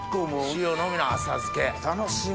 塩のみの浅漬け楽しみ！